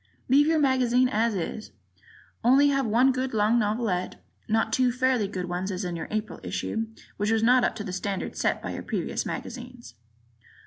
Leave your magazine as is, only have one good long novelette, not two fairly good ones as in your April issue, which was not up to the standard set by your previous magazines.